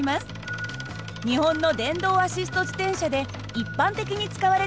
日本の電動アシスト自転車で一般的に使われている方式です。